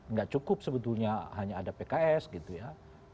nggak cukup sebetulnya hanya ada pks gitu ya